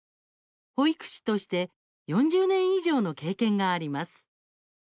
保育士として４０年以上の経験があります。